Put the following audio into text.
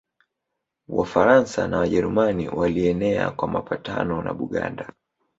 Wafaransa na Wajerumani Walienea kwa mapatano na Buganda